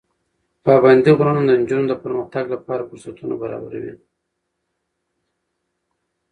پابندي غرونه د نجونو د پرمختګ لپاره فرصتونه برابروي.